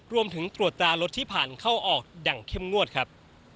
รวมถึงตรวจตรารถที่ผ่านเข้าออกอย่างเข้มงวดครับ